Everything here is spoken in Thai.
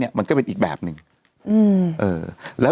มีสารตั้งต้นเนี่ยคือยาเคเนี่ยใช่ไหมคะ